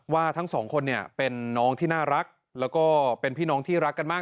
ว่าทั้งสองคนเนี่ยเป็นน้องที่น่ารักแล้วก็เป็นพี่น้องที่รักกันมาก